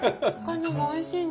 おいしい！